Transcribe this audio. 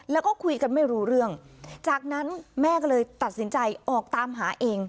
แล้วก็คุยกันไม่รู้เรื่องจากนั้นแม่ก็เลยตัดสินใจออกตามหาเอง